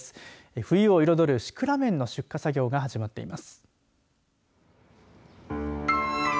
冬を彩るシクラメンの出荷作業が始まっています。